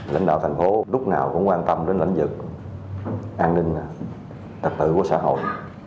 lãnh đạo thành phố lúc nào cũng quan tâm đến lĩnh vực an ninh trật tự của xã hội